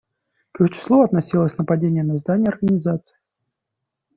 К их числу относилось нападение на здание Организации.